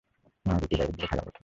না, রুটি বাইরের দিকে থাকার কথা।